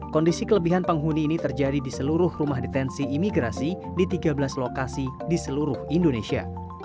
kondisi kelebihan penghuni ini terjadi di seluruh rumah detensi imigrasi di tiga belas lokasi di seluruh indonesia